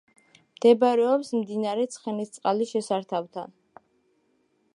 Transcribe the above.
მდებარეობს მდინარე ცხენისწყლის შესართავთან.